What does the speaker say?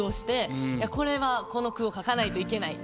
これはこの句を書かないといけない。